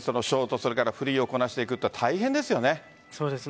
それからフリーをこなしていくのは大変ですよね。